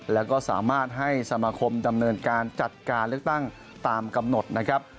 แล้วก็สามารถให้สมาคมดำเนินการจัดการเลือกตั้งตามกำหนดนะครับ